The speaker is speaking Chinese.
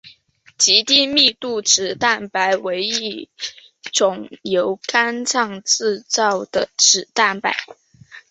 极低密度脂蛋白为一种由肝脏制造的脂蛋白。